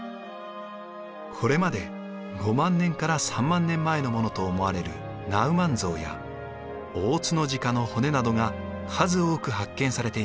これまで５万年から３万年前のものと思われるナウマンゾウやオオツノジカの骨などが数多く発見されています。